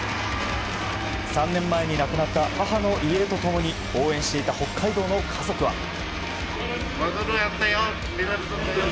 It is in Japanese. ３年前に亡くなった母の遺影と共に応援していた北海道の家族は。